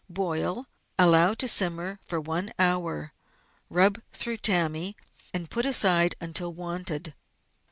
Boil, allow to simmer for one hour, rub through tammy, and put aside until wanted.